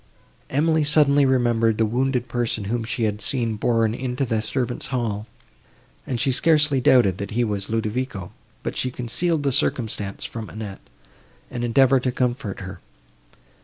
Emily suddenly remembered the wounded person, whom she had seen borne into the servants' hall, and she scarcely doubted, that he was Ludovico, but she concealed the circumstance from Annette, and endeavoured to comfort her.